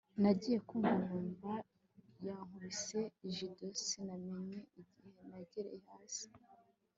nagiye kumva numva yankubise jido sinamenye igihe nagereye hasi